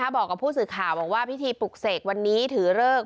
บอกกับผู้สื่อข่าวบอกว่าพิธีปลุกเสกวันนี้ถือเลิก